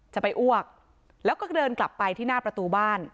จะไปอ้วกแล้วก็เดินกลับไปที่หน้าประตูบ้าน